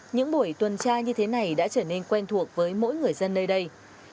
những buổi tuần tra như thế này đã trở nên quen thuộc với mỗi người dân nơi đây